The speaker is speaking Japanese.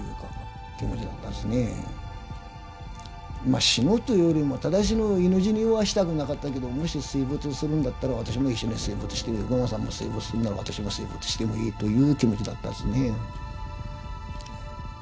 まあ死のうというよりも私も犬死にはしたくなかったけどもし水没するんだったら私も一緒に水没しても横山さんが水没するんなら私も水没してもいいという気持ちだったですねえ。